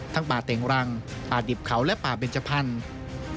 ป่าเต่งรังป่าดิบเขาและป่าเบนจพันธุ์